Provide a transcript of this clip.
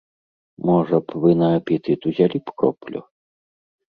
Можа б, вы на апетыт узялі б кроплю?